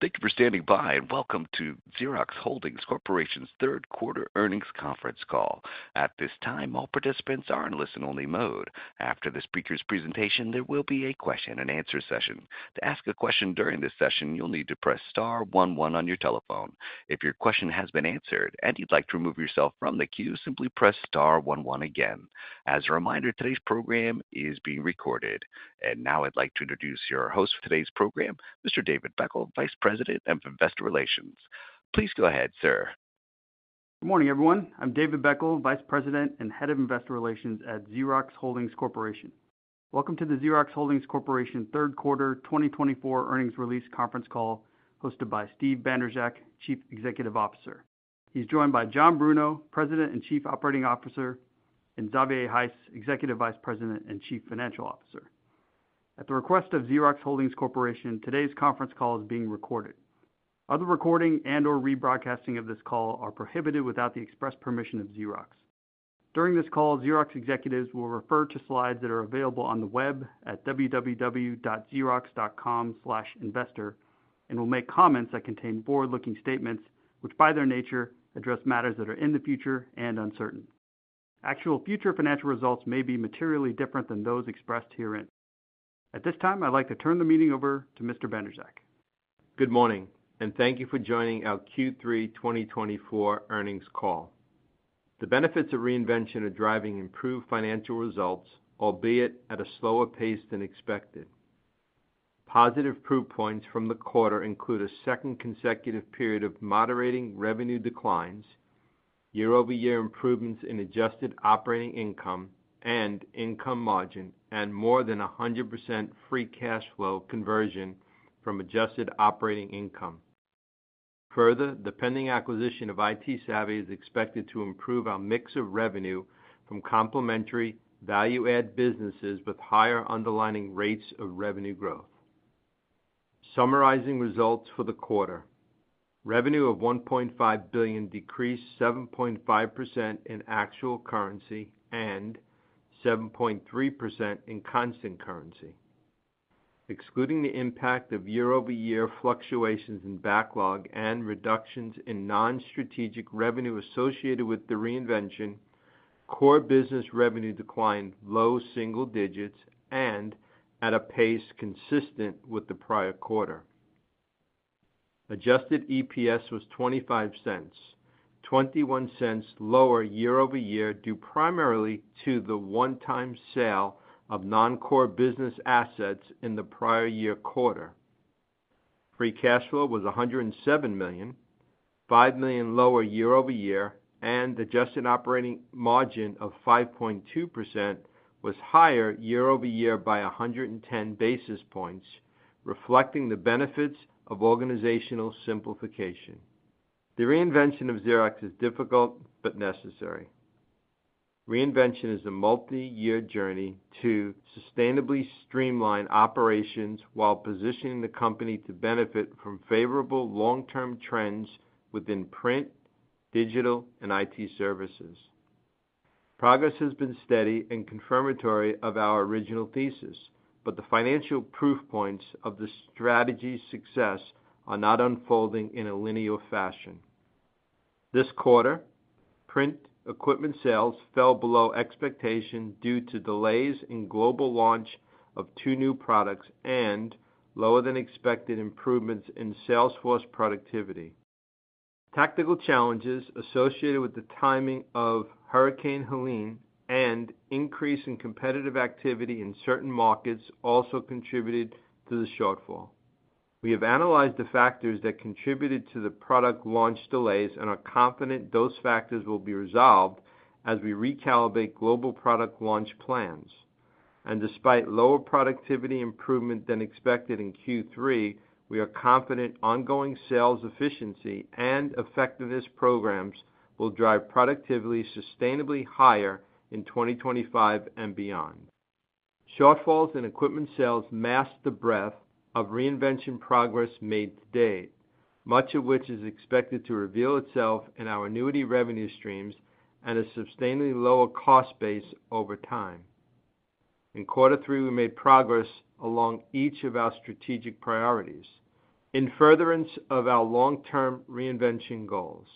Thank you for standing by, and welcome to Xerox Holdings Corporation's Third Quarter Earnings Conference Call. At this time, all participants are in listen-only mode. After the speaker's presentation, there will be a question-and-answer session. To ask a question during this session, you'll need to press star one one on your telephone. If your question has been answered and you'd like to remove yourself from the queue, simply press star one one again. As a reminder, today's program is being recorded. And now I'd like to introduce your host for today's program, Mr. David Beckel, Vice President of Investor Relations. Please go ahead, sir. Good morning, everyone. I'm David Beckel, Vice President and Head of Investor Relations at Xerox Holdings Corporation. Welcome to the Xerox Holdings Corporation third quarter 2024 earnings release conference call hosted by Steve Bandrowczak, Chief Executive Officer. He's joined by John Bruno, President and Chief Operating Officer, and Xavier Heiss, Executive Vice President and Chief Financial Officer. At the request of Xerox Holdings Corporation, today's conference call is being recorded. Other recording and/or rebroadcasting of this call are prohibited without the express permission of Xerox. During this call, Xerox executives will refer to slides that are available on the web at www.xerox.com/investor and will make comments that contain forward-looking statements which, by their nature, address matters that are in the future and uncertain. Actual future financial results may be materially different than those expressed herein. At this time, I'd like to turn the meeting over to Mr. Bandrowczak. Good morning, and thank you for joining our Q3 2024 earnings call. The benefits of reinvention are driving improved financial results, albeit at a slower pace than expected. Positive proof points from the quarter include a second consecutive period of moderating revenue declines, year-over-year improvements in adjusted operating income and income margin, and more than 100% free cash flow conversion from adjusted operating income. Further, the pending acquisition of ITsavvy is expected to improve our mix of revenue from complementary value-add businesses with higher underlying rates of revenue growth. Summarizing results for the quarter: revenue of $1.5 billion decreased 7.5% in actual currency and 7.3% in constant currency. Excluding the impact of year-over-year fluctuations in backlog and reductions in non-strategic revenue associated with the reinvention, core business revenue declined low single digits and at a pace consistent with the prior quarter. Adjusted EPS was $0.25, $0.21 lower year-over-year due primarily to the one-time sale of non-core business assets in the prior year quarter. Free cash flow was $107 million, $5 million lower year-over-year, and adjusted operating margin of 5.2% was higher year-over-year by 110 basis points, reflecting the benefits of organizational simplification. The reinvention of Xerox is difficult but necessary. Reinvention is a multi-year journey to sustainably streamline operations while positioning the company to benefit from favorable long-term trends within print, digital, and IT services. Progress has been steady and confirmatory of our original thesis, but the financial proof points of the strategy's success are not unfolding in a linear fashion. This quarter, print equipment sales fell below expectation due to delays in global launch of two new products and lower-than-expected improvements in Salesforce productivity. Tactical challenges associated with the timing of Hurricane Helene and increase in competitive activity in certain markets also contributed to the shortfall. We have analyzed the factors that contributed to the product launch delays and are confident those factors will be resolved as we recalibrate global product launch plans. Despite lower productivity improvement than expected in Q3, we are confident ongoing sales efficiency and effectiveness programs will drive productivity sustainably higher in 2025 and beyond. Shortfalls in equipment sales mask the breadth of reinvention progress made to date, much of which is expected to reveal itself in our annuity revenue streams and a sustainably lower cost base over time. In quarter three, we made progress along each of our strategic priorities in furtherance of our long-term reinvention goals.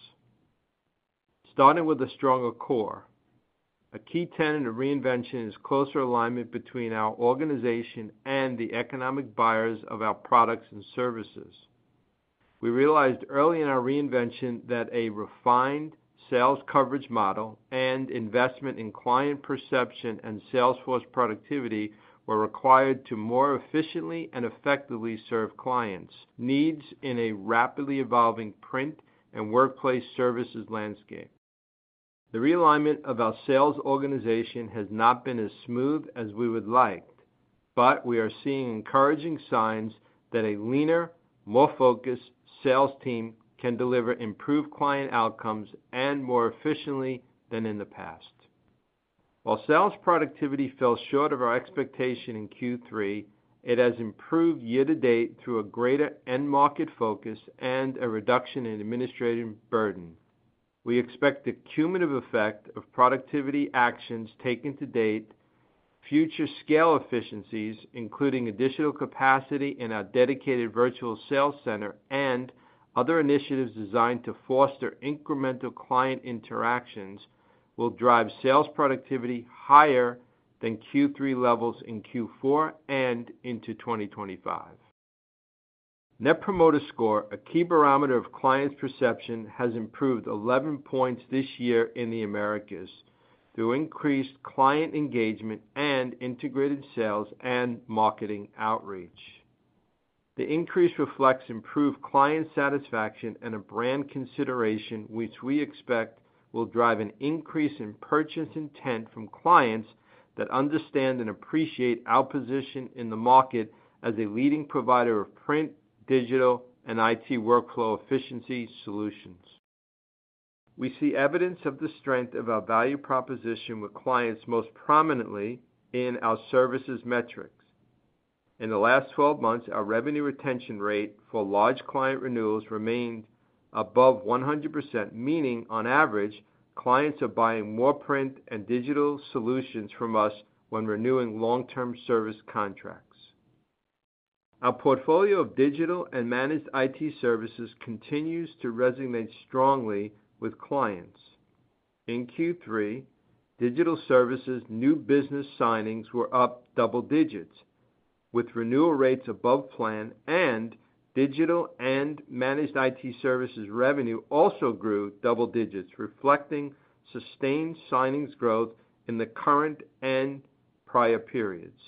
Starting with a stronger core, a key tenet of Reinvention is closer alignment between our organization and the economic buyers of our products and services. We realized early in our Reinvention that a refined sales coverage model and investment in client perception and sales force productivity were required to more efficiently and effectively serve clients' needs in a rapidly evolving print and workplace services landscape. The realignment of our sales organization has not been as smooth as we would like, but we are seeing encouraging signs that a leaner, more focused sales team can deliver improved client outcomes and more efficiently than in the past. While sales productivity fell short of our expectation in Q3, it has improved year-to-date through a greater end-market focus and a reduction in administrative burden. We expect the cumulative effect of productivity actions taken to date, future scale efficiencies, including additional capacity in our dedicated virtual sales center and other initiatives designed to foster incremental client interactions, will drive sales productivity higher than Q3 levels in Q4 and into 2025. Net Promoter Score, a key barometer of clients' perception, has improved 11 points this year in the Americas through increased client engagement and integrated sales and marketing outreach. The increase reflects improved client satisfaction and a brand consideration, which we expect will drive an increase in purchase intent from clients that understand and appreciate our position in the market as a leading provider of print, digital, and IT workflow efficiency solutions. We see evidence of the strength of our value proposition with clients, most prominently in our services metrics. In the last 12 months, our revenue retention rate for large client renewals remained above 100%, meaning on average, clients are buying more print and digital solutions from us when renewing long-term service contracts. Our portfolio of digital and managed IT services continues to resonate strongly with clients. In Q3, digital services new business signings were up double digits, with renewal rates above plan, and digital and managed IT services revenue also grew double digits, reflecting sustained signings growth in the current and prior periods,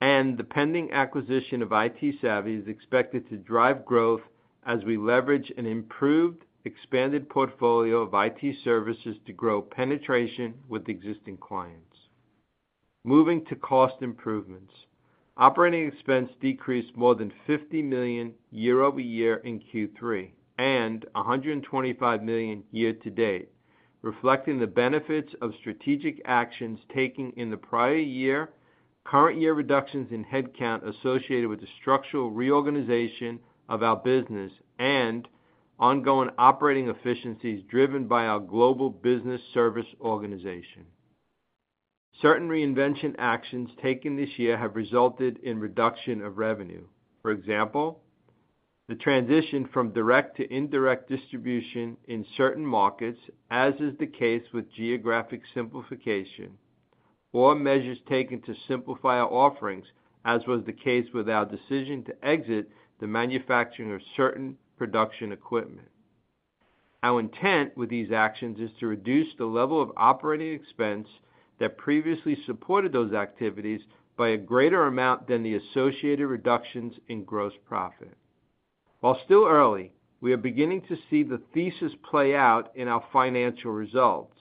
and the pending acquisition of ITsavvy is expected to drive growth as we leverage an improved, expanded portfolio of IT services to grow penetration with existing clients. Moving to cost improvements, operating expense decreased more than $50 million year-over-year in Q3 and $125 million year-to-date, reflecting the benefits of strategic actions taken in the prior year, current year reductions in headcount associated with the structural reorganization of our business, and ongoing operating efficiencies driven by our global business service organization. Certain Reinvention actions taken this year have resulted in reduction of revenue. For example, the transition from direct to indirect distribution in certain markets, as is the case with geographic simplification, or measures taken to simplify our offerings, as was the case with our decision to exit the manufacturing of certain production equipment. Our intent with these actions is to reduce the level of operating expense that previously supported those activities by a greater amount than the associated reductions in gross profit. While still early, we are beginning to see the thesis play out in our financial results.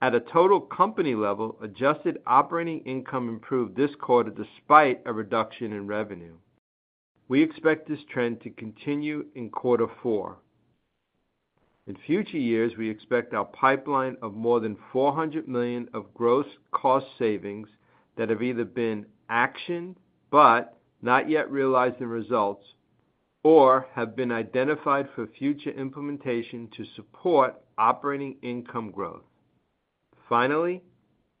At a total company level, adjusted operating income improved this quarter despite a reduction in revenue. We expect this trend to continue in quarter four. In future years, we expect our pipeline of more than $400 million of gross cost savings that have either been actioned but not yet realized in results or have been identified for future implementation to support operating income growth. Finally,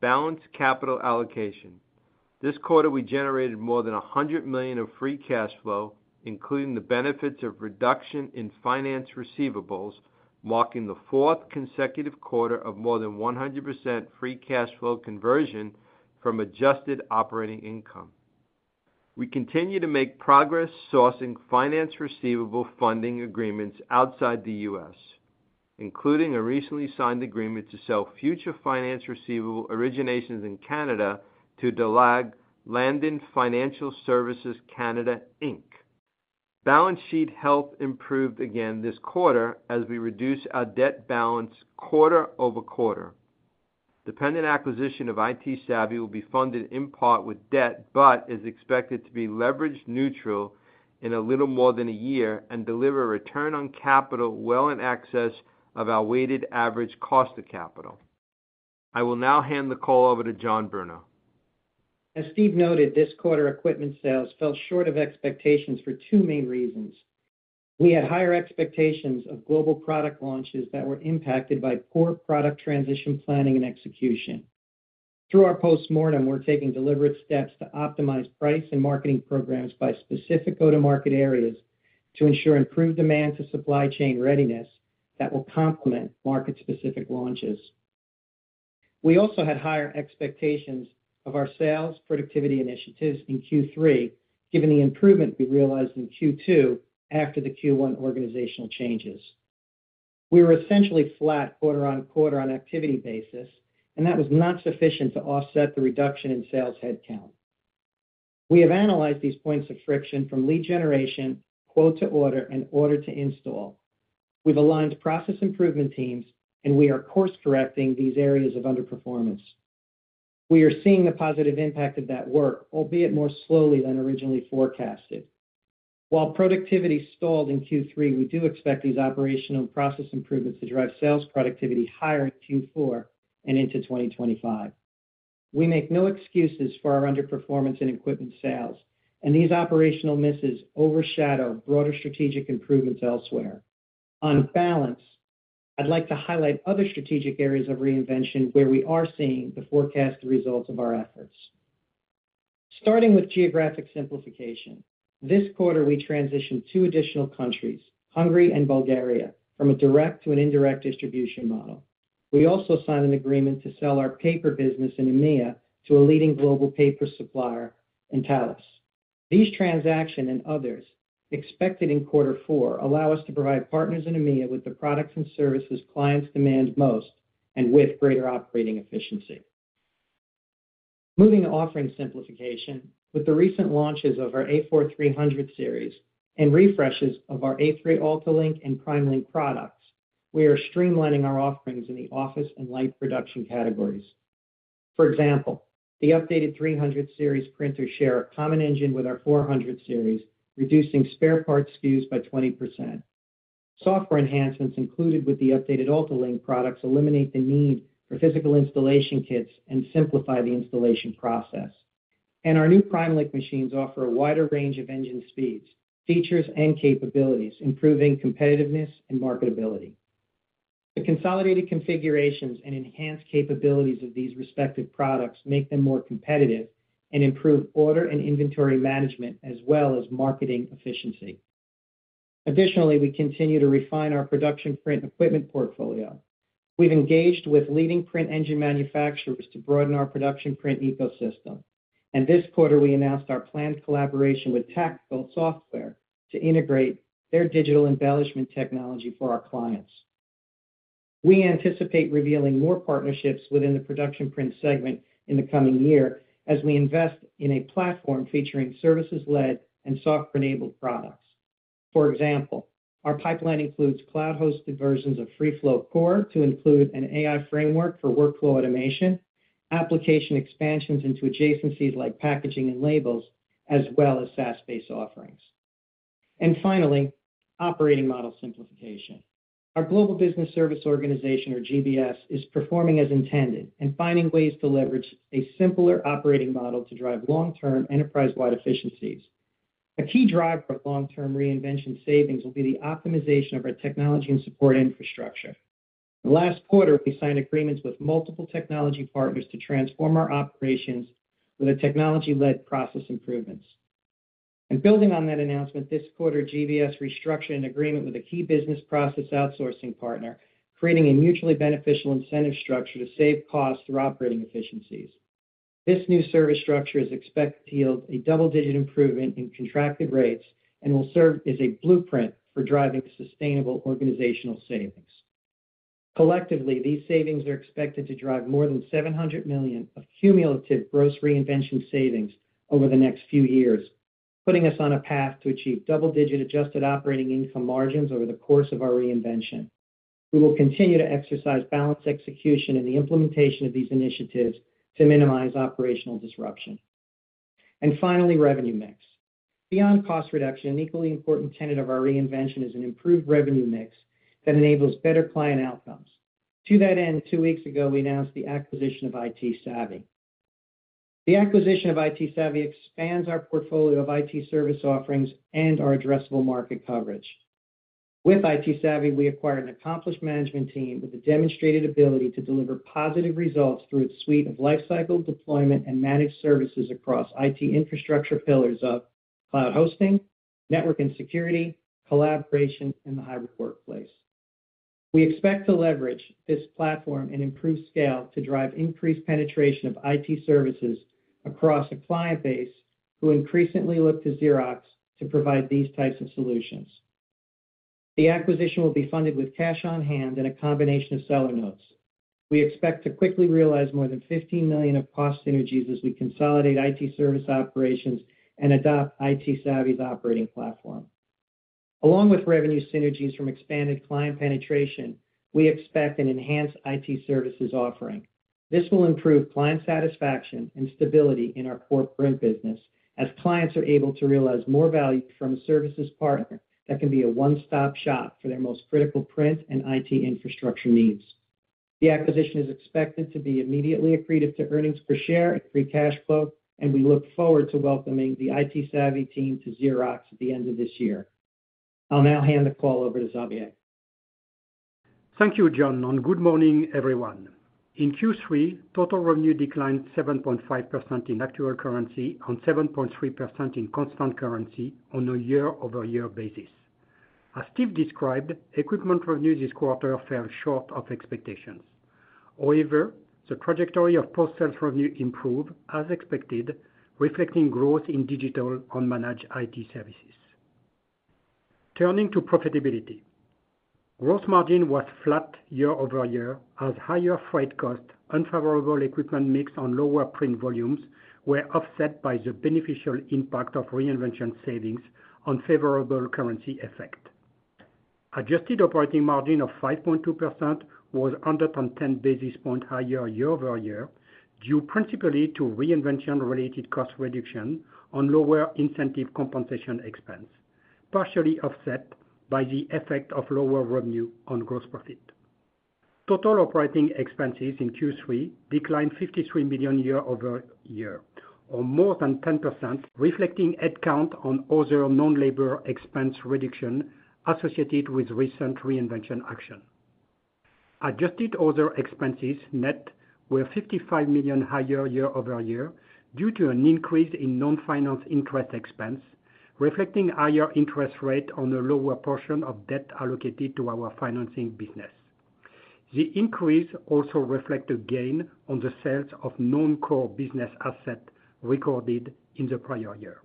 balanced capital allocation. This quarter, we generated more than $100 million of free cash flow, including the benefits of reduction in finance receivables, marking the fourth consecutive quarter of more than 100% free cash flow conversion from adjusted operating income. We continue to make progress sourcing finance receivable funding agreements outside the U.S., including a recently signed agreement to sell future finance receivable originations in Canada to De Lage Landen Financial Services Canada, Inc. Balance sheet health improved again this quarter as we reduce our debt balance quarter-over-quarter. The pending acquisition of ITsavvy will be funded in part with debt but is expected to be leverage neutral in a little more than a year and deliver a return on capital well in excess of our weighted average cost of capital. I will now hand the call over to John Bruno. As Steve noted, this quarter equipment sales fell short of expectations for two main reasons. We had higher expectations of global product launches that were impacted by poor product transition planning and execution. Through our postmortem, we're taking deliberate steps to optimize price and marketing programs by specific go-to-market areas to ensure improved demand to supply chain readiness that will complement market-specific launches. We also had higher expectations of our sales productivity initiatives in Q3, given the improvement we realized in Q2 after the Q1 organizational changes. We were essentially flat quarter-on-quarter on activity basis, and that was not sufficient to offset the reduction in sales headcount. We have analyzed these points of friction from lead generation, quote to order, and order to install. We've aligned process improvement teams, and we are course-correcting these areas of underperformance. We are seeing the positive impact of that work, albeit more slowly than originally forecasted. While productivity stalled in Q3, we do expect these operational and process improvements to drive sales productivity higher in Q4 and into 2025. We make no excuses for our underperformance in equipment sales, and these operational misses overshadow broader strategic improvements elsewhere. On balance, I'd like to highlight other strategic areas of reinvention where we are seeing the forecast results of our efforts. Starting with geographic simplification, this quarter we transitioned two additional countries, Hungary and Bulgaria, from a direct to an indirect distribution model. We also signed an agreement to sell our paper business in EMEA to a leading global paper supplier Antalis. These transactions and others expected in quarter four allow us to provide partners in EMEA with the products and services clients demand most and with greater operating efficiency. Moving to offering simplification, with the recent launches of our A4 300 series and refreshes of our A3 AltaLink and PrimeLink products, we are streamlining our offerings in the office and light production categories. For example, the updated 300 series printers share a common engine with our 400 series, reducing spare parts queues by 20%. Software enhancements included with the updated AltaLink products eliminate the need for physical installation kits and simplify the installation process, and our new PrimeLink machines offer a wider range of engine speeds, features, and capabilities, improving competitiveness and marketability. The consolidated configurations and enhanced capabilities of these respective products make them more competitive and improve order and inventory management as well as marketing efficiency. Additionally, we continue to refine our production print equipment portfolio. We've engaged with leading print engine manufacturers to broaden our production print ecosystem. This quarter, we announced our planned collaboration with Taktiful Software Solutions to integrate their digital embellishment technology for our clients. We anticipate revealing more partnerships within the production print segment in the coming year as we invest in a platform featuring services-led and software-enabled products. For example, our pipeline includes cloud-hosted versions of FreeFlow Core to include an AI framework for workflow automation, application expansions into adjacencies like packaging and labels, as well as SaaS-based offerings. And finally, operating model simplification. Our Global Business Service Organization, or GBS, is performing as intended and finding ways to leverage a simpler operating model to drive long-term enterprise-wide efficiencies. A key driver of long-term reinvention savings will be the optimization of our technology and support infrastructure. Last quarter, we signed agreements with multiple technology partners to transform our operations with technology-led process improvements. And building on that announcement, this quarter, GBS restructured an agreement with a key business process outsourcing partner, creating a mutually beneficial incentive structure to save costs through operating efficiencies. This new service structure is expected to yield a double-digit improvement in contracted rates and will serve as a blueprint for driving sustainable organizational savings. Collectively, these savings are expected to drive more than $700 million of cumulative gross reinvention savings over the next few years, putting us on a path to achieve double-digit adjusted operating income margins over the course of our reinvention. We will continue to exercise balanced execution in the implementation of these initiatives to minimize operational disruption. And finally, revenue mix. Beyond cost reduction, an equally important tenet of our reinvention is an improved revenue mix that enables better client outcomes. To that end, two weeks ago, we announced the acquisition of ITsavvy. The acquisition of ITsavvy expands our portfolio of IT service offerings and our addressable market coverage. With ITsavvy, we acquired an accomplished management team with a demonstrated ability to deliver positive results through its suite of lifecycle deployment and managed services across IT infrastructure pillars of cloud hosting, network and security, collaboration, and the hybrid workplace. We expect to leverage this platform and improved scale to drive increased penetration of IT services across a client base who increasingly look to Xerox to provide these types of solutions. The acquisition will be funded with cash on hand and a combination of seller notes. We expect to quickly realize more than $15 million of cost synergies as we consolidate IT service operations and adopt ITsavvy's operating platform. Along with revenue synergies from expanded client penetration, we expect an enhanced IT services offering. This will improve client satisfaction and stability in our core print business as clients are able to realize more value from a services partner that can be a one-stop shop for their most critical print and IT infrastructure needs. The acquisition is expected to be immediately accretive to earnings per share and free cash flow, and we look forward to welcoming the ITsavvy team to Xerox at the end of this year. I'll now hand the call over to Xavier. Thank you, John, and good morning, everyone. In Q3, total revenue declined 7.5% in actual currency and 7.3% in constant currency on a year-over-year basis. As Steve described, equipment revenues this quarter fell short of expectations. However, the trajectory of post-sales revenue improved as expected, reflecting growth in digital and managed IT services. Turning to profitability, gross margin was flat year-over-year as higher freight costs, unfavorable equipment mix, and lower print volumes were offset by the beneficial impact of Reinvention savings and favorable currency effect. Adjusted operating margin of 5.2% was under 10 basis points higher year-over-year due principally to Reinvention-related cost reduction and lower incentive compensation expense, partially offset by the effect of lower revenue on gross profit. Total operating expenses in Q3 declined $53 million year-over-year, or more than 10%, reflecting headcount and other non-labor expense reduction associated with recent Reinvention action. Adjusted other expenses net were $55 million higher year-over-year due to an increase in non-finance interest expense, reflecting a higher interest rate on a lower portion of debt allocated to our financing business. The increase also reflected gain on the sales of non-core business assets recorded in the prior year.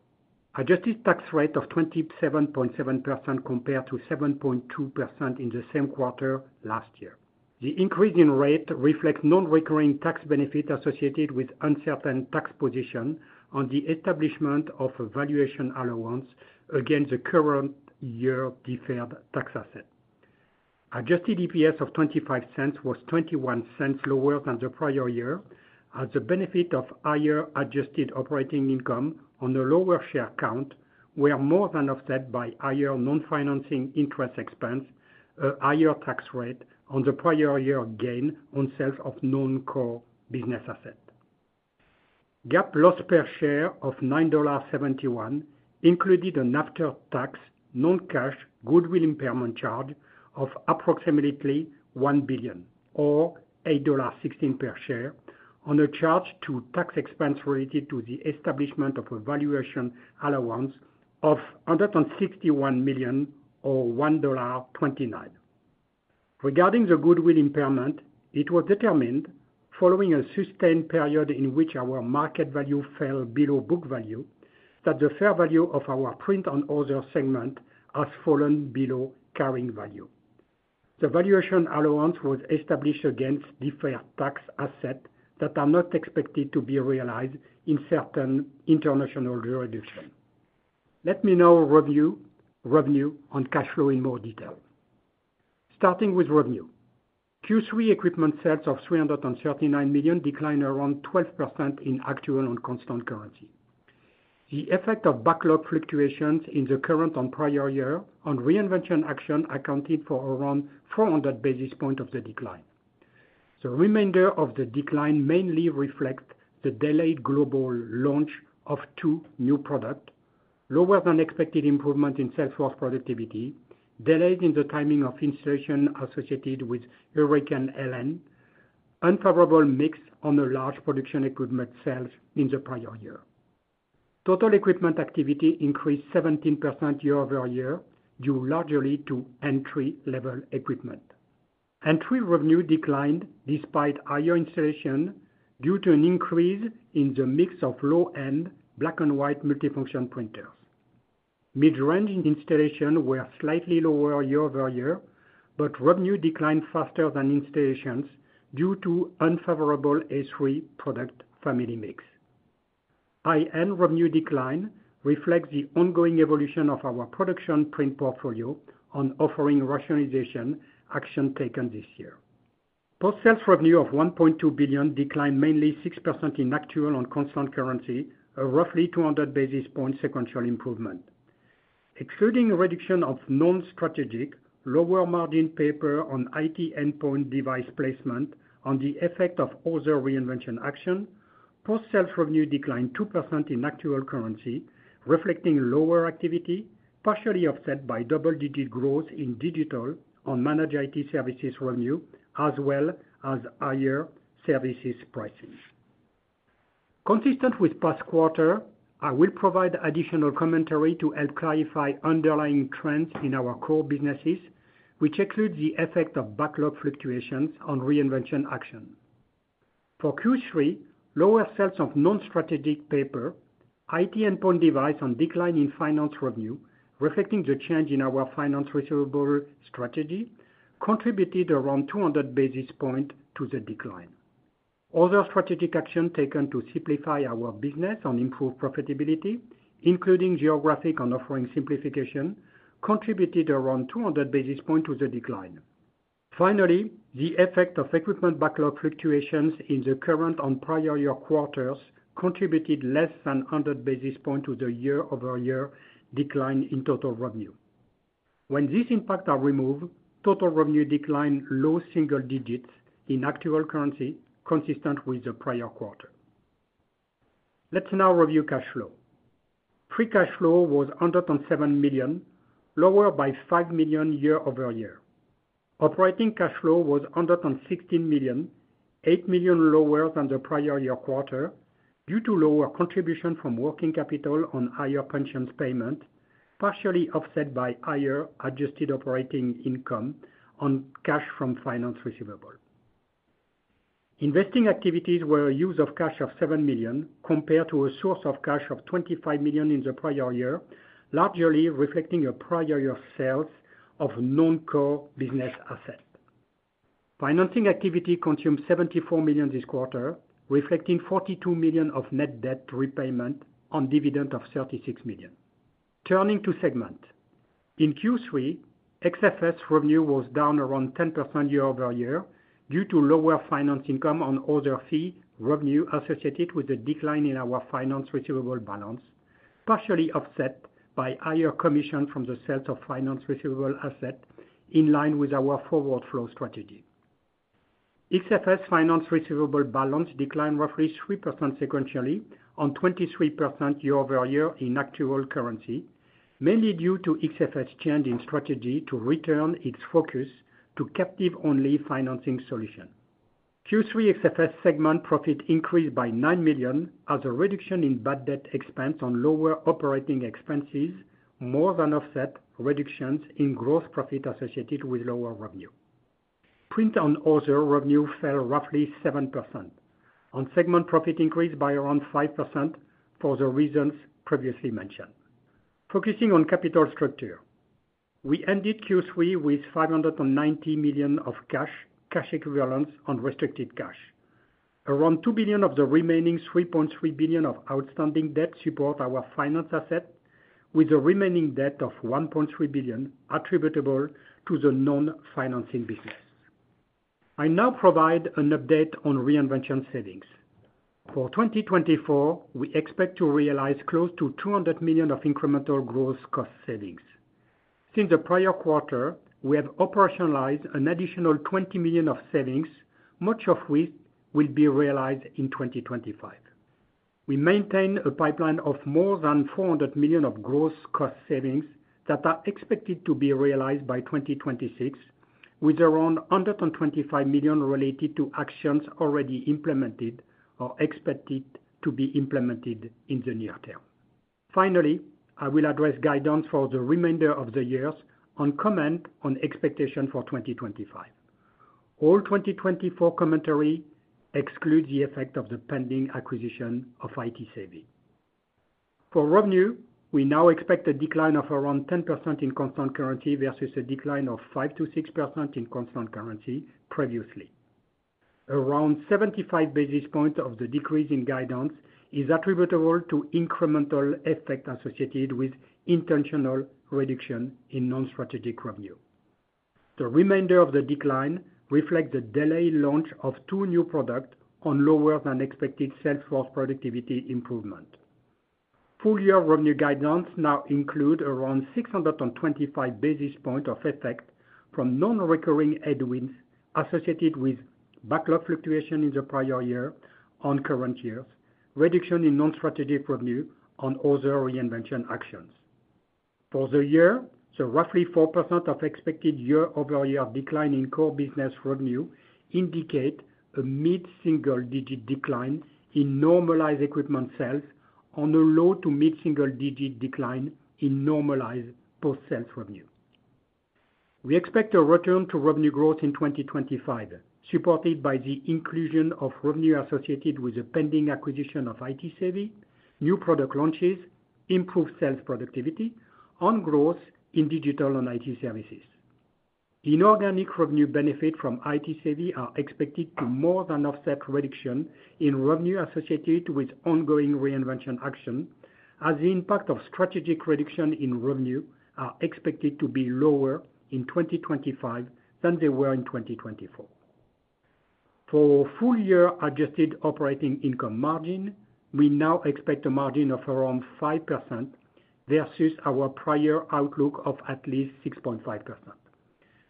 Adjusted tax rate of 27.7% compared to 7.2% in the same quarter last year. The increase in rate reflects non-recurring tax benefit associated with uncertain tax position on the establishment of valuation allowance against the current year-deferred tax asset. Adjusted EPS of $0.25 was $0.21 lower than the prior year, as the benefit of higher adjusted operating income on a lower share count were more than offset by higher non-financing interest expense, a higher tax rate on the prior year gain on sales of non-core business asset. GAAP loss per share of $9.71 included an after-tax non-cash goodwill impairment charge of approximately $1 billion, or $8.16 per share, and a charge to tax expense related to the establishment of a Valuation Allowance of $161 million, or $1.29. Regarding the goodwill Impairment, it was determined following a sustained period in which our market value fell below book value that the fair value of our print services segment has fallen below carrying value. The Valuation Allowance was established against deferred tax assets that are not expected to be realized in certain international jurisdictions. Let me now review revenue and cash flow in more detail. Starting with revenue, Q3 equipment sales of $339 million declined around 12% in actual and constant currency. The effect of backlog fluctuations in the current and prior year from Reinvention actions accounted for around 400 basis points of the decline. The remainder of the decline mainly reflects the delayed global launch of two new products, lower than expected improvement in sales force productivity, delays in the timing of installation associated with Hurricane Helene, and unfavorable mix on the large production equipment sales in the prior year. Total equipment activity increased 17% year-over-year due largely to entry-level equipment. Entry revenue declined despite higher installation due to an increase in the mix of low-end black-and-white multifunction printers. Mid-range installations were slightly lower year-over-year, but revenue declined faster than installations due to unfavorable A3 product family mix. High-end revenue decline reflects the ongoing evolution of our production print portfolio on offering rationalization action taken this year. Post-sales revenue of $1.2 billion declined mainly 6% in actual and constant currency, a roughly 200 basis points sequential improvement. Excluding a reduction of non-strategic, lower-margin paper and IT endpoint device placement and the effect of other Reinvention actions, post-sales revenue declined 2% in actual currency, reflecting lower activity, partially offset by double-digit growth in digital unmanaged IT services revenue, as well as higher services pricing. Consistent with past quarter, I will provide additional commentary to help clarify underlying trends in our core businesses, which includes the effect of backlog fluctuations and Reinvention actions. For Q3, lower sales of non-strategic paper, IT endpoint device, and decline in finance revenue, reflecting the change in our finance receivable strategy, contributed around 200 basis points to the decline. Other strategic action taken to simplify our business and improve profitability, including geographic and offering simplification, contributed around 200 basis points to the decline. Finally, the effect of equipment backlog fluctuations in the current and prior year quarters contributed less than 100 basis points to the year-over-year decline in total revenue. When these impacts are removed, total revenue decline low single digits in actual currency consistent with the prior quarter. Let's now review cash flow. Free cash flow was under $107 million, lower by $5 million year-over-year. Operating cash flow was under $116 million, $8 million lower than the prior year quarter due to lower contribution from working capital on higher pension payment, partially offset by higher adjusted operating income on cash from finance receivable. Investing activities were a use of cash of $7 million compared to a source of cash of $25 million in the prior year, largely reflecting a prior year sales of non-core business assets. Financing activity consumed $74 million this quarter, reflecting $42 million of net debt repayment on dividend of $36 million. Turning to segment, in Q3, XFS revenue was down around 10% year-over-year due to lower finance income on other fee revenue associated with the decline in our finance receivable balance, partially offset by higher commission from the sales of finance receivable asset in line with our forward flow strategy. XFS finance receivable balance declined roughly 3% sequentially on 23% year-over-year in actual currency, mainly due to XFS change in strategy to return its focus to captive-only financing solution. Q3 XFS segment profit increased by $9 million as a reduction in bad debt expense on lower operating expenses more than offset reductions in gross profit associated with lower revenue. Print and Other revenue fell roughly 7%, and segment profit increased by around 5% for the reasons previously mentioned. Focusing on capital structure, we ended Q3 with $590 million of cash, cash equivalents, and restricted cash. Around $2 billion of the remaining $3.3 billion of outstanding debt support our finance asset, with the remaining debt of $1.3 billion attributable to the non-financing business. I now provide an update on Reinvention savings. For 2024, we expect to realize close to $200 million of incremental gross cost savings. Since the prior quarter, we have operationalized an additional $20 million of savings, much of which will be realized in 2025. We maintain a pipeline of more than $400 million of gross cost savings that are expected to be realized by 2026, with around $125 million related to actions already implemented or expected to be implemented in the near term. Finally, I will address guidance for the remainder of the year and comment on expectations for 2025. All 2024 commentary excludes the effect of the pending acquisition of ITsavvy. For revenue, we now expect a decline of around 10% in constant currency versus a decline of 5%-6% in constant currency previously. Around 75 basis points of the decrease in guidance is attributable to incremental effect associated with intentional reduction in non-strategic revenue. The remainder of the decline reflects the delayed launch of two new products on lower than expected sales force productivity improvement. Full-year revenue guidance now includes around 625 basis points of effect from non-recurring headwinds associated with backlog fluctuation in the prior year on current years, reduction in non-strategic revenue on other reinvention actions. For the year, the roughly 4% of expected year-over-year decline in core business revenue indicates a mid-single digit decline in normalized equipment sales and a low to mid-single digit decline in normalized post-sales revenue. We expect a return to revenue growth in 2025, supported by the inclusion of revenue associated with the pending acquisition of ITsavvy, new product launches, improved sales productivity, and growth in digital and IT services. Inorganic revenue benefit from ITsavvy are expected to more than offset reduction in revenue associated with ongoing Reinvention action, as the impact of strategic reduction in revenue are expected to be lower in 2025 than they were in 2024. For full-year adjusted operating income margin, we now expect a margin of around 5% versus our prior outlook of at least 6.5%,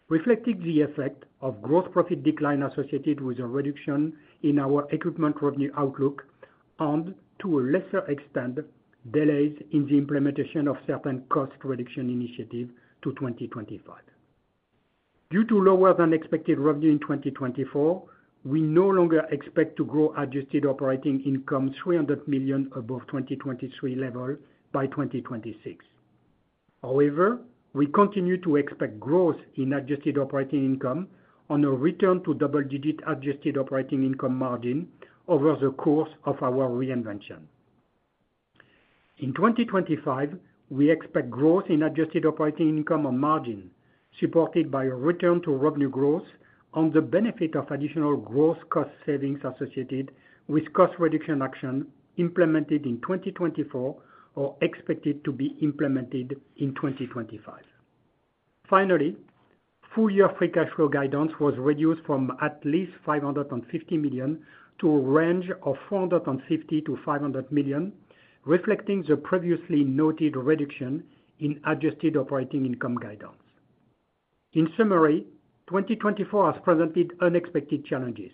reflecting the effect of gross profit decline associated with a reduction in our equipment revenue outlook and, to a lesser extent, delays in the implementation of certain cost reduction initiatives to 2025. Due to lower than expected revenue in 2024, we no longer expect to grow adjusted operating income $300 million above 2023 level by 2026. However, we continue to expect growth in adjusted operating income on a return to double-digit adjusted operating income margin over the course of our reinvention. In 2025, we expect growth in adjusted operating income on margin supported by a return to revenue growth on the benefit of additional gross cost savings associated with cost reduction action implemented in 2024 or expected to be implemented in 2025. Finally, full-year free cash flow guidance was reduced from at least $550 million to a range of $450-$500 million, reflecting the previously noted reduction in adjusted operating income guidance. In summary, 2024 has presented unexpected challenges.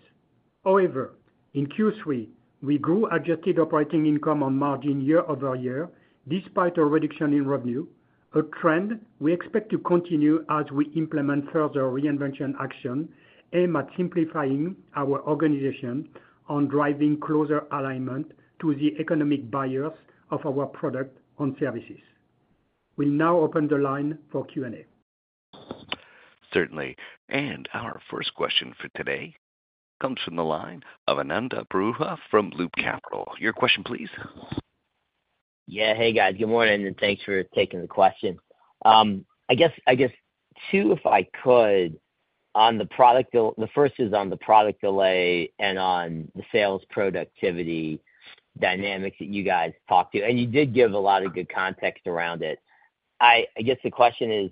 However, in Q3, we grew adjusted operating income and margin year-over-year despite a reduction in revenue, a trend we expect to continue as we implement further Reinvention action aimed at simplifying our organization and driving closer alignment to the economic buyers of our products and services. We'll now open the line for Q&A. Certainly. And our first question for today comes from the line of Ananda Baruah from Loop Capital. Your question, please. Yeah. Hey, guys. Good morning, and thanks for taking the question. I guess two, if I could, on the product. The first is on the product delay and on the sales productivity dynamics that you guys talked about. And you did give a lot of good context around it. I guess the question is,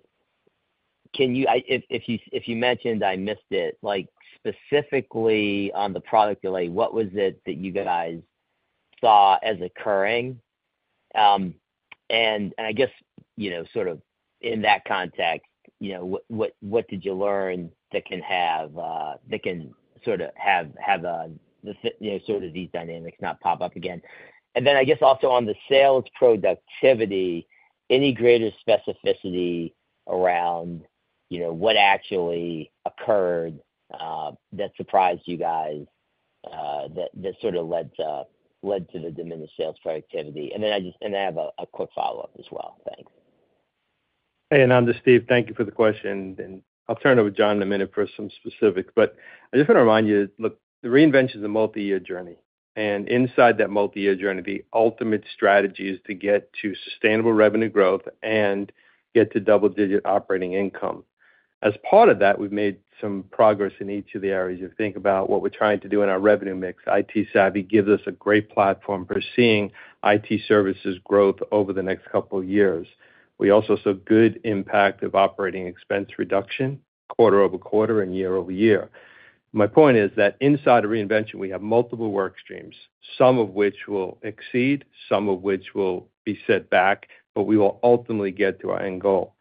if you mentioned, I missed it, specifically on the product delay, what was it that you guys saw as occurring? I guess sort of in that context, what did you learn that can sort of have these dynamics not pop up again? And then I guess also on the sales productivity, any greater specificity around what actually occurred that surprised you guys that sort of led to the diminished sales productivity? And then I have a quick follow-up as well. Thanks. Hey, Ananda. Steve, thank you for the question. And I'll turn it over to John in a minute for some specifics. But I just want to remind you, look, the Reinvention is a multi-year journey. And inside that multi-year journey, the ultimate strategy is to get to sustainable revenue growth and get to double-digit operating income. As part of that, we've made some progress in each of the areas. If you think about what we're trying to do in our revenue mix, ITsavvy gives us a great platform for seeing IT services growth over the next couple of years. We also saw good impact of operating expense reduction quarter over quarter and year-over-year. My point is that inside a Reinvention, we have multiple work streams, some of which will exceed, some of which will be set back, but we will ultimately get to our end goal.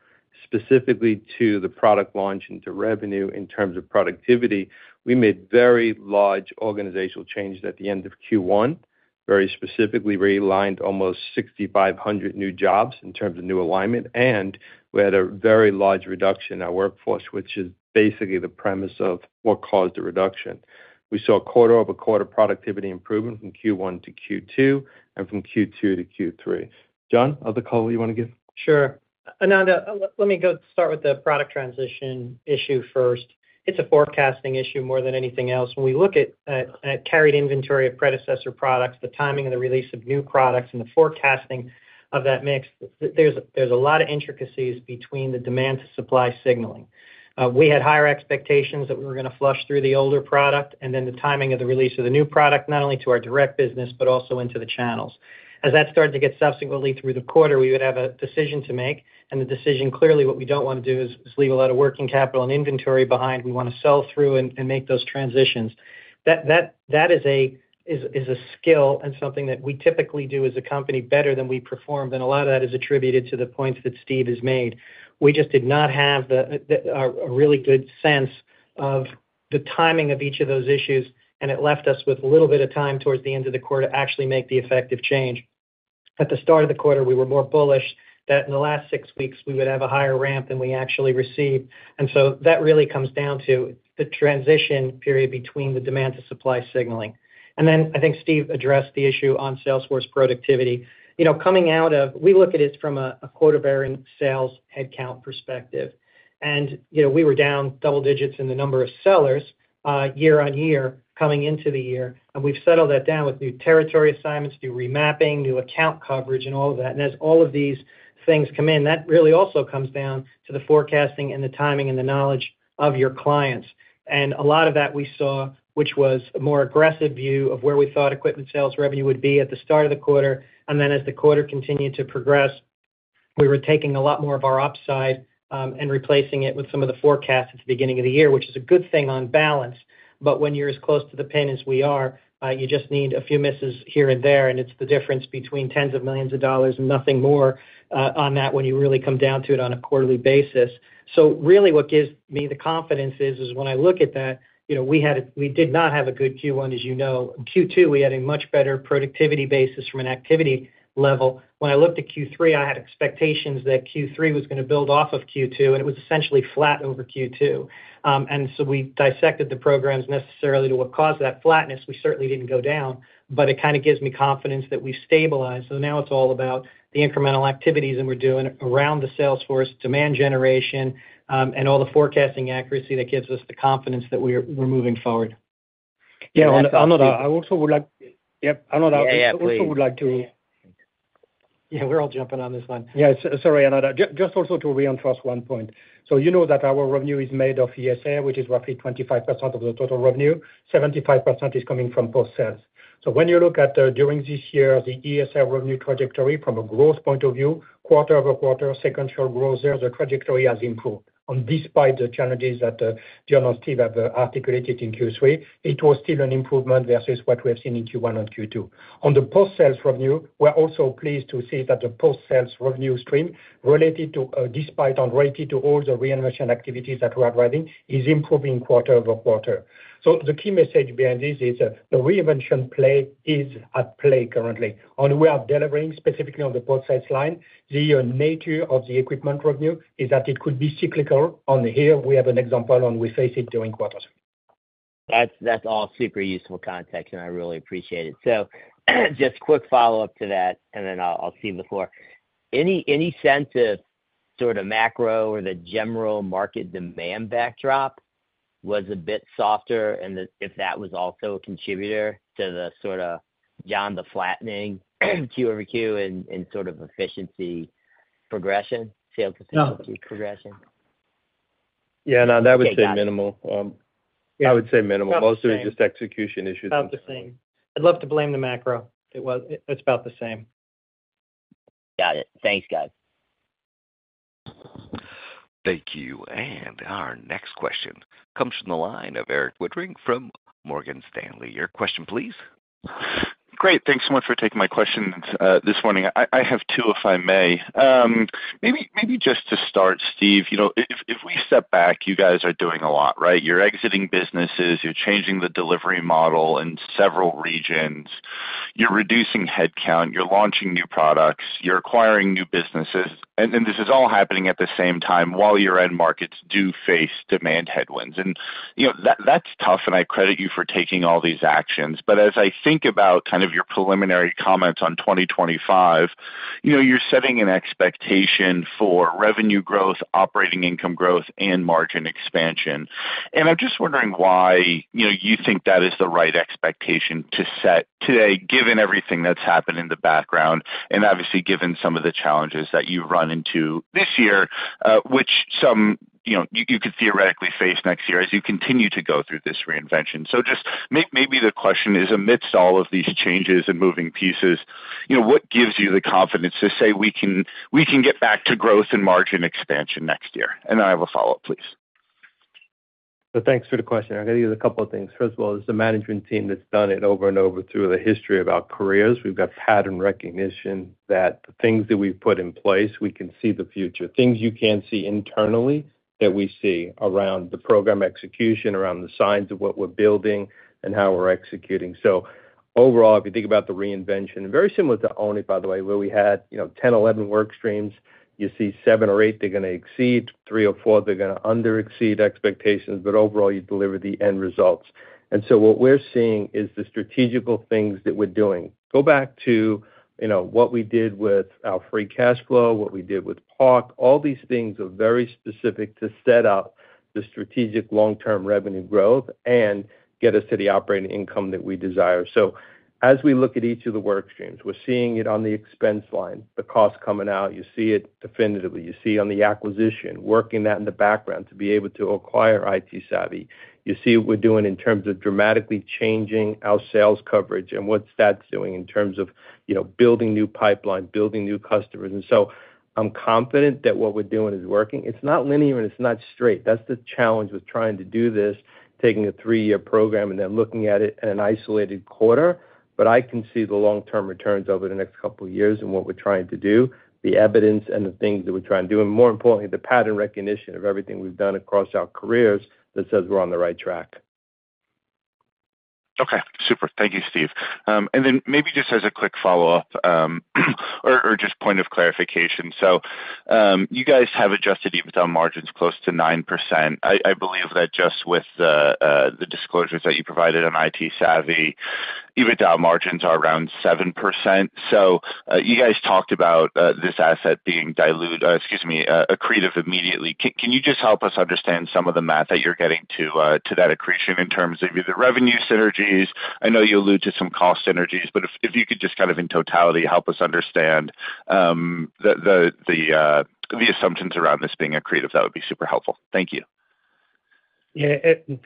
Specifically to the product launch and to revenue in terms of productivity, we made very large organizational changes at the end of Q1, very specifically realigned almost 6,500 new jobs in terms of new alignment, and we had a very large reduction in our workforce, which is basically the premise of what caused the reduction. We saw quarter-over-quarter productivity improvement from Q1 to Q2 and from Q2 to Q3. John, other call you want to give? Sure. Ananda, let me go start with the product transition issue first. It's a forecasting issue more than anything else. When we look at carried inventory of predecessor products, the timing of the release of new products, and the forecasting of that mix, there's a lot of intricacies between the demand-to-supply signaling. We had higher expectations that we were going to flush through the older product and then the timing of the release of the new product, not only to our direct business but also into the channels. As that started to get subsequently through the quarter, we would have a decision to make, and the decision clearly what we don't want to do is leave a lot of working capital and inventory behind. We want to sell through and make those transitions. That is a skill and something that we typically do as a company better than we perform, and a lot of that is attributed to the points that Steve has made. We just did not have a really good sense of the timing of each of those issues, and it left us with a little bit of time towards the end of the quarter to actually make the effective change. At the start of the quarter, we were more bullish that in the last six weeks, we would have a higher ramp than we actually received, and so that really comes down to the transition period between the demand-to-supply signaling. And then I think Steve addressed the issue on sales force productivity. Coming out of we look at it from a quarter-bearing sales headcount perspective. And we were down double digits in the number of sellers year-on-year coming into the year, and we've settled that down with new territory assignments, new remapping, new account coverage, and all of that. And as all of these things come in, that really also comes down to the forecasting and the timing and the knowledge of your clients. And a lot of that we saw, which was a more aggressive view of where we thought equipment sales revenue would be at the start of the quarter. And then as the quarter continued to progress, we were taking a lot more of our upside and replacing it with some of the forecast at the beginning of the year, which is a good thing on balance. But when you're as close to the pin as we are, you just need a few misses here and there, and it's the difference between tens of millions of dollars and nothing more on that when you really come down to it on a quarterly basis. So really what gives me the confidence is when I look at that, we did not have a good Q1, as you know. In Q2, we had a much better productivity basis from an activity level. When I looked at Q3, I had expectations that Q3 was going to build off of Q2, and it was essentially flat over Q2. And so we dissected the programs necessarily to what caused that flatness. We certainly didn't go down, but it kind of gives me confidence that we've stabilized. So now it's all about the incremental activities that we're doing around the sales force, demand generation, and all the forecasting accuracy that gives us the confidence that we're moving forward. Yeah. Ananda, I also would like— yeah, Ananda, I also would like to— yeah, we're all jumping on this one. Yeah. Sorry, Ananda. Just also to reinforce one point. So you know that our revenue is made of ESR, which is roughly 25% of the total revenue. 75% is coming from post-sales. So when you look at during this year, the ESR revenue trajectory from a growth point of view, quarter-over-quarter, sequential growth, the trajectory has improved. And despite the challenges that John and Steve have articulated in Q3, it was still an improvement versus what we have seen in Q1 and Q2. On the post-sales revenue, we're also pleased to see that the post-sales revenue stream related to, despite and related to all the reinvention activities that we are driving, is improving quarter-over-quarter. So the key message behind this is the reinvention play is at play currently. And we are delivering specifically on the post-sales line. The nature of the equipment revenue is that it could be cyclical, and here we have an example, and we face it during quarters. That's all super useful context, and I really appreciate it. So just quick follow-up to that, and then I'll see before. Any sense of sort of macro or the general market demand backdrop was a bit softer, and if that was also a contributor to the sort of, John, the flattening Q over Q in sort of efficiency progression, sales efficiency progression? Yeah. No, that would say minimal. I would say minimal. Mostly just execution issues and things. It's about the same. I'd love to blame the macro. It's about the same. Got it. Thanks, guys. Thank you. And our next question comes from the line of Erik Woodring from Morgan Stanley. Your question, please. Great. Thanks so much for taking my questions this morning. I have two, if I may. Maybe just to start, Steve, if we step back, you guys are doing a lot, right? You're exiting businesses. You're changing the delivery model in several regions. You're reducing headcount. You're launching new products. You're acquiring new businesses. And this is all happening at the same time while your end markets do face demand headwinds. And that's tough, and I credit you for taking all these actions. But as I think about kind of your preliminary comments on 2025, you're setting an expectation for revenue growth, operating income growth, and margin expansion. And I'm just wondering why you think that is the right expectation to set today, given everything that's happened in the background, and obviously given some of the challenges that you've run into this year, which some you could theoretically face next year as you continue to go through this Reinvention. So just maybe the question is, amidst all of these changes and moving pieces, what gives you the confidence to say we can get back to growth and margin expansion next year? And I have a follow-up, please. So thanks for the question. I'll give you a couple of things. First of all, it's the management team that's done it over and over through the history of our careers. We've got pattern recognition that the things that we've put in place, we can see the future. Things you can't see internally that we see around the program execution, around the signs of what we're building and how we're executing, so overall, if you think about the reinvention, very similar to Own It by the way, where we had 10, 11 work streams, you see 7 or 8, they're going to exceed, 3 or 4, they're going to not exceed expectations, but overall, you deliver the end results, and so what we're seeing is the strategic things that we're doing. Go back to what we did with our free cash flow, what we did with PARC, all these things are very specific to set up the strategic long-term revenue growth and get us to the operating income that we desire. So as we look at each of the work streams, we're seeing it on the expense line, the cost coming out. You see it definitively. You see it on the acquisition, working that in the background to be able to acquire ITsavvy. You see what we're doing in terms of dramatically changing our sales coverage and what that's doing in terms of building new pipeline, building new customers. And so I'm confident that what we're doing is working. It's not linear and it's not straight. That's the challenge with trying to do this, taking a three-year program and then looking at it in an isolated quarter. But I can see the long-term returns over the next couple of years and what we're trying to do, the evidence and the things that we're trying to do, and more importantly, the pattern recognition of everything we've done across our careers that says we're on the right track. Okay. Super. Thank you, Steve. And then maybe just as a quick follow-up or just point of clarification. So you guys have adjusted EBITDA margins close to 9%. I believe that just with the disclosures that you provided on ITsavvy, EBITDA margins are around 7%. So you guys talked about this asset being dilute, excuse me, accretive immediately. Can you just help us understand some of the math that you're getting to that accretion in terms of either revenue synergies? I know you allude to some cost synergies, but if you could just kind of in totality help us understand the assumptions around this being accretive, that would be super helpful. Thank you. Yeah.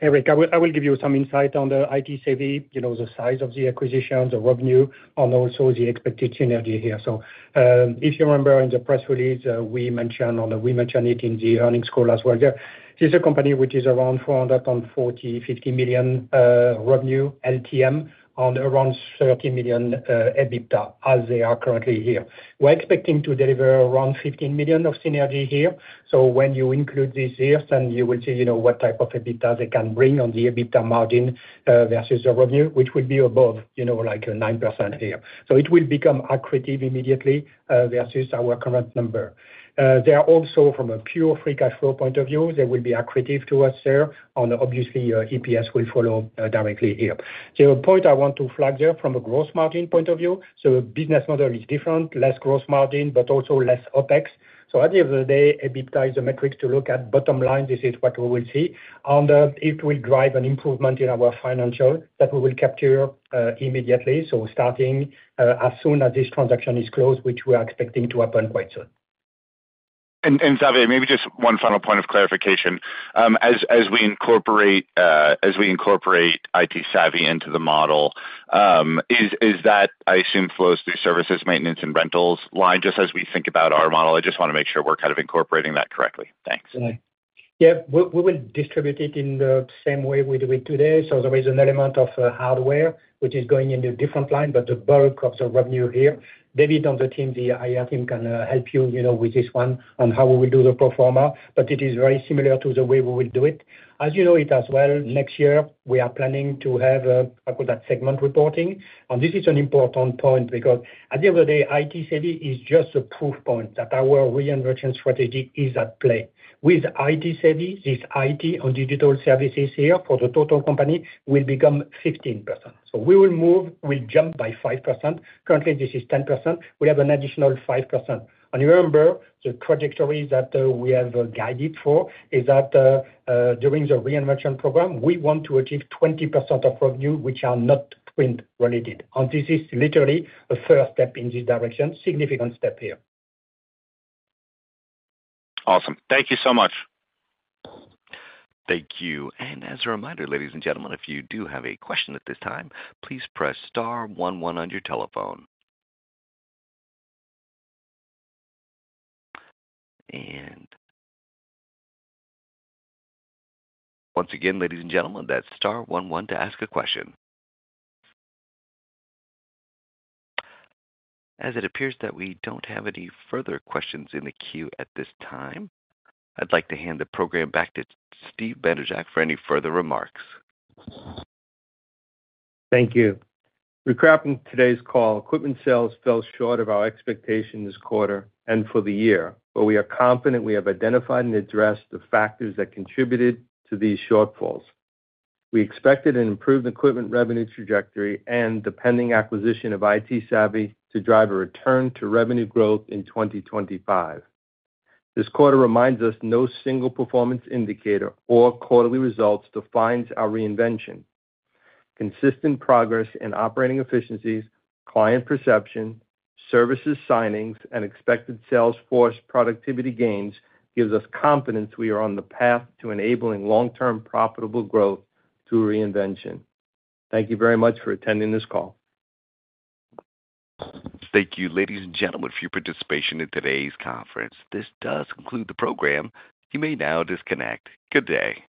Eric, I will give you some insight on the ITsavvy, the size of the acquisitions, the revenue, and also the expected synergy here. So if you remember in the press release, we mentioned it in the earnings call as well. This is a company which is around $440 million-$450 million revenue, LTM, and around $30 million EBITDA as they are currently here. We're expecting to deliver around $15 million of synergy here. So when you include these years, then you will see what type of EBITDA they can bring on the EBITDA margin versus the revenue, which will be above like 9% here. So it will become accretive immediately versus our current number. They are also from a pure free cash flow point of view, they will be accretive to us there, and obviously, EPS will follow directly here. So a point I want to flag there from a gross margin point of view. So the business model is different, less gross margin, but also less OpEx. So at the end of the day, EBITDA is a metric to look at bottom line. This is what we will see. And it will drive an improvement in our financials that we will capture immediately. So starting as soon as this transaction is closed, which we are expecting to happen quite soon. And ITsavvy, maybe just one final point of clarification. As we incorporate ITsavvy into the model, is that, I assume, flows through services, maintenance, and rentals line just as we think about our model? I just want to make sure we're kind of incorporating that correctly. Thanks. Yeah. We will distribute it in the same way we do it today. So there is an element of hardware which is going into a different line, but the bulk of the revenue here. David on the team, the IR team can help you with this one on how we will do the pro forma, but it is very similar to the way we will do it. As you know it as well, next year, we are planning to have a segment reporting, and this is an important point because at the end of the day, IT Savvy is just a proof point that our Reinvention strategy is at play. With ITsavvy, this IT and digital services here for the total company will become 15%. So we will move, we'll jump by 5%. Currently, this is 10%. We have an additional 5%. And remember, the trajectory that we have guided for is that during the Reinvention program, we want to achieve 20% of revenue, which are not print-related. And this is literally a first step in this direction, significant step here. Awesome. Thank you so much. Thank you. And as a reminder, ladies and gentlemen, if you do have a question at this time, please press star one one on your telephone. And once again, ladies and gentlemen, that's star one one to ask a question. As it appears that we don't have any further questions in the queue at this time, I'd like to hand the program back to Steve Bandrowczak for any further remarks. Thank you. Recapping today's call, equipment sales fell short of our expectations this quarter and for the year, but we are confident we have identified and addressed the factors that contributed to these shortfalls. We expected an improved equipment revenue trajectory and the pending acquisition of ITsavvy to drive a return to revenue growth in 2025. This quarter reminds us no single performance indicator or quarterly results defines our reinvention. Consistent progress in operating efficiencies, client perception, services signings, and expected sales force productivity gains gives us confidence we are on the path to enabling long-term profitable growth through reinvention. Thank you very much for attending this call. Thank you, ladies and gentlemen, for your participation in today's conference. This does conclude the program. You may now disconnect. Good day.